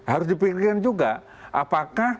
harus dipikirkan juga apakah